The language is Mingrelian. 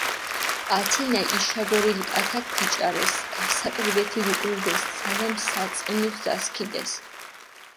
ათენა იშაგორილი კათაქ დიჭარეს, გასაკვირეთი გუკვირდეს, ძალამი საწყინოთ დასქიდეს.